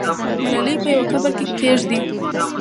ملالۍ په یوه قبر کې کښېږده.